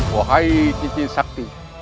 wahai cincin sakti